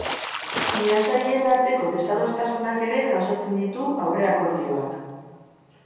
Sinatzaileen arteko desadostasunak ere jasotzen ditu aurreakordioak.